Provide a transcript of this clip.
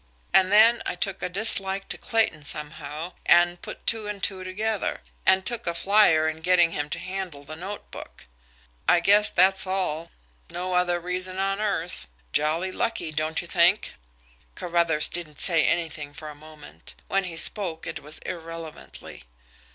And then, I took a dislike to Clayton somehow and put two and two together, and took a flyer in getting him to handle the notebook. I guess that's all no other reason on earth. Jolly lucky, don't you think?" Carruthers didn't say anything for a moment. When he spoke, it was irrelevantly.